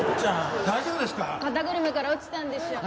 肩車から落ちたんでしょ？